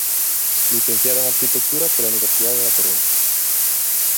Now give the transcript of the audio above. Licenciada en Arquitectura pola Universidade da Coruña.